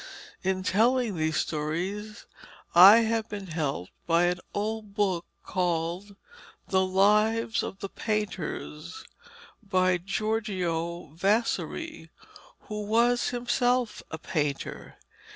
In telling these stories I have been helped by an old book called The Lives of the Painters, by Giorgio Vasari, who was himself a painter.